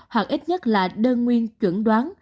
hoặc ít nhất là đơn nguyên chuẩn đoán